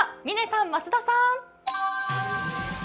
嶺さん、増田さん。